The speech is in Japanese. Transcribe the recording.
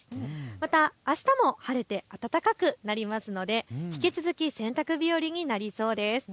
また、あしたも晴れて暖かくなりますので引き続き洗濯日和になりそうです。